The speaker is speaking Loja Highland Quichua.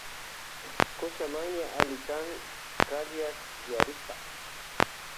Kuchamanya allimi kan kallakllarikpa.